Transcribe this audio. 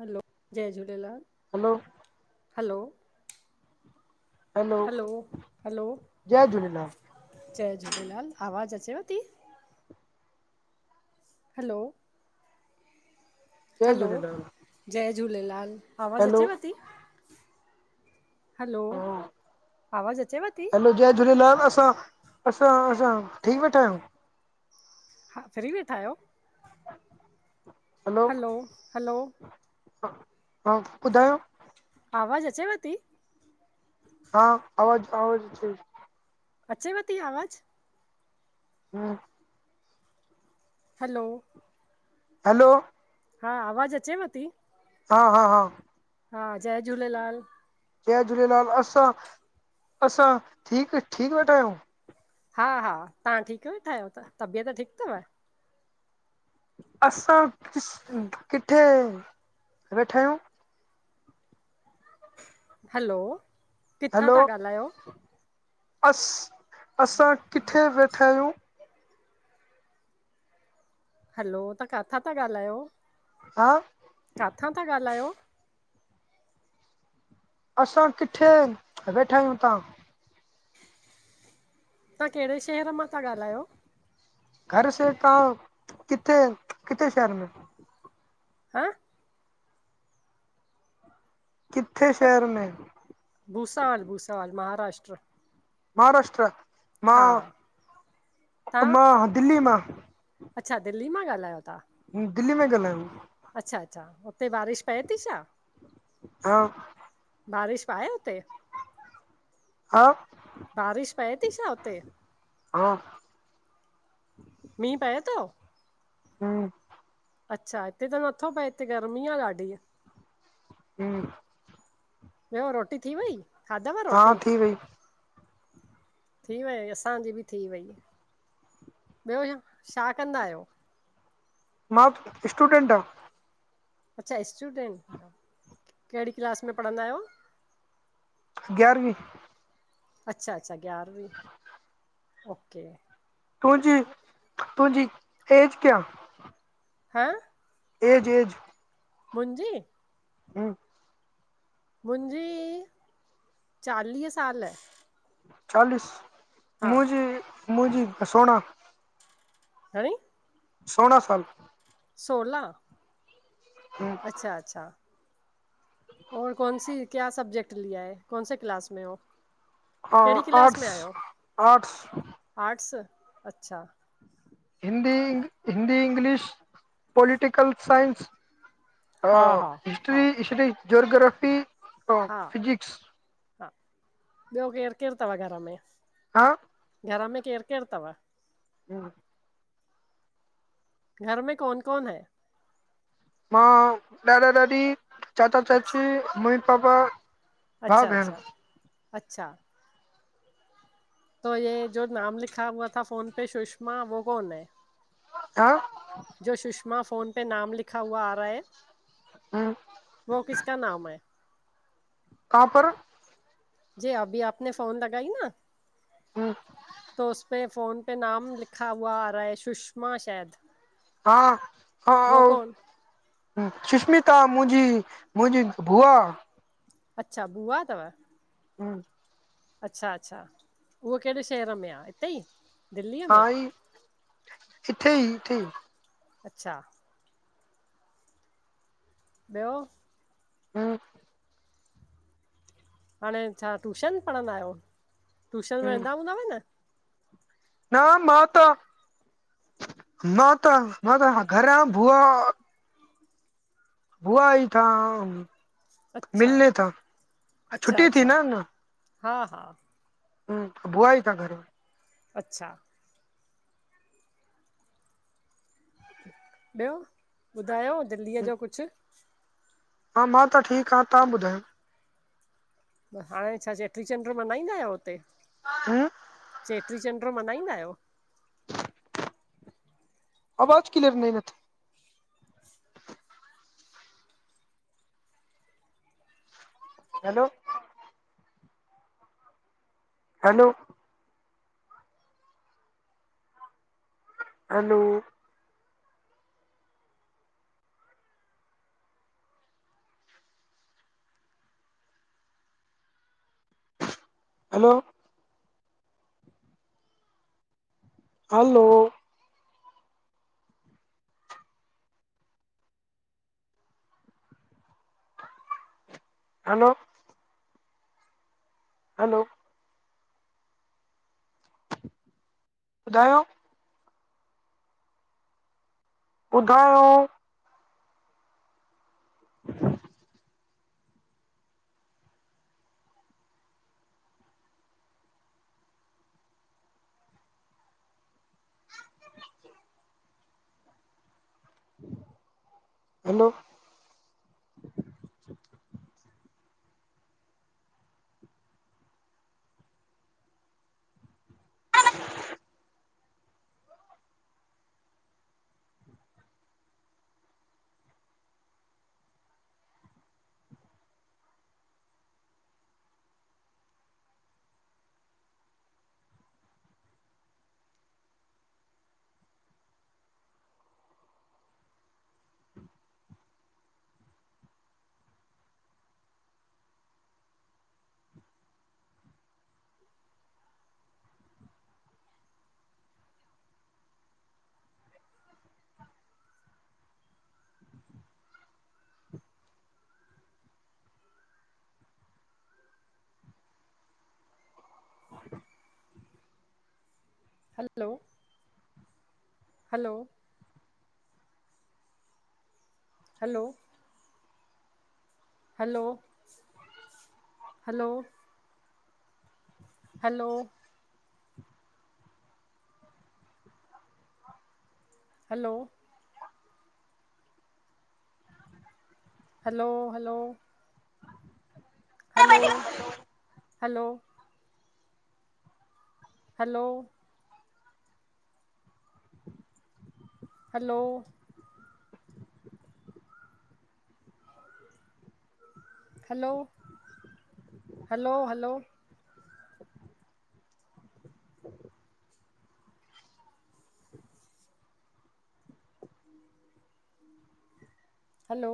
हलो, जय Jhulelal! Hello! Hello! Hello, hello, जय झूलेलाल जय झूलेलाल! आवाज़ अचेव ती? हलो, जय हलो, झूलेलाल जय झूलेलाल! आवाज़ हलो अचेव ती? हलो! हा आवाज़ अचेव ती? हलो जय झूलेलाल! असां, असां असां फ्री वेठायूं। हा, फ्री वेठायो हलो, हलो! हा, ॿुधायो आवाज़ अचेव ती? हा, आवाज़ आवाज़ अचे ती। अचेव ती आवाज़? हूं- हैलो! हलो! हा, आवाज़ अचेव ती? हा हा हा हा, जय झूलेलाल! जय झूलेलाल, असां असां ठीक ठीक, वेठायूं। हा हा, तहां ठीक वेठायो, त तबियत ठीक तव? असां किस, किथे वेठायूं? हलो! किथां हैलो, था ॻाल्हायो अस, असां किथे वेठायूं? हलो! तां काथां ता ॻाल्हायो? हा काथां ता ॻाल्हायो? असां किथे, वेठायूं तां? तहां केड़े शहर मां ता ॻाल्हायो? घर से तहां, किथे किथे शहर में? हां किथे शहर में? भूसावल, भूसावल महाराष्ट्र। महाराष्ट्र, मां हा तव्हां मां दिल्लीअ मां। अच्छा, दिल्ली मां ॻाल्हायो ता। हूं, दिल्ली में ॻल्हायूं। अच्छा- अच्छा, उते बारिश पए थी छा? हा बारिश ब आए हुते? हा बारिश पए ती छा हुते? ह [inaudible] मींहु पए तो? हम [inaudible] अच्छा, हिते त नथो पए, हिते गर्मी आ ॾाढी। हम [inaudible] ॿियो, रोटी थी वेई, खाधव हा रोटी? थी वई थी वई असांजी बि थी वई। ॿियो छा- छा कंदा आहियो? मां स्टूडेंट आं। अच्छा स्टूडेंट, केड़ी क्लास में पढ़ंदा आहयो? ग्यारवीं अच्छा अच्छा ग्यारहंवी, ओके। तुंजी तुंजी एज क्या? हा एज- एज! मुंजी! हम मुंहिंजी चालीह साल चालीस! हा मुंजी, मुंजी सोणाह घणी? सोला साल सोलह! अच्छा- अच्छा और कौन सी कया सब्जजेक्ट लिया है, कौनसे क्लास में हो? [unintelligible] कहिड़ी क्लास आर्टस में आहियो -आर्टस आर्ट्स! अच्छा! Hindi, Hindi, English, political science हा अंउ हा हा हिस्ट्री्ट्, जियोग्राफी, हा फिजिक्स हा, ॿियो केरु केरु थव घर में? हा घर में केर केर थव? हम [inaudible] घर में कन कन है [unintelligible] मां ॾाॾा- ॾाॾी, चाचा- अच्छा चाची, मम्मी- पापा भाउ अच्छा भेण -अच्छा, अच्छा त हे जो नाम लिखा हुआ था फोन पे सुषमा वो कौन है? [unintelligible] ह [inaudible] जो सुषमा [unintelligible] फ़ोन पे नाम लिखा हुआ आरह ह हम [inaudible] वह किस क नाम ह [unintelligible] क पर [inaudible] जी अभी आप न फोन लॻाई न त उपे [unintelligible] फोन पे नाम लिखा हुआ आ रहा है सुषमा शाय [unintelligible] द हा हा सुष्मिता मुंजी मुंजी बुआ अच्छा बूआ थव। हम अच्छा-अच्छा उहो कहिड़े शहर में आ इते ई? दिल्लीअ हा में ई इथे ई इथे ई। अच्छा ॿियो? हम हाणे छा टूशन पढ़ंदा आयो टूशन वेंदा हूंदव न? न माता माता माता घर भुआ बुआ आई था अच्छा मिलण था अच्छा छुटी थी अच्छा न न हा हा हम बुआई तां घर अच्छा ॿयो ॿुधायो दिल्लीअ जो कुछ? हा मां त ठीक आ तव्हां ॿुधायो? हाणे छा चेटीचंड मल्हाईंदा आहियो हुते? हम चेटी चंड मनहाईंदा आयो? आवाज़ क्लीअर नथ hello hello hello hello hello hello hello ॿुधायो ॿुधायो हलो [unintelligible] hello hello hello hello hello hello hello hello hello hello hello hello hello hello hello hello hello